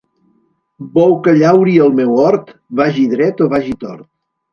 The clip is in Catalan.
Bou que llauri el meu hort, vagi dret o vagi tort.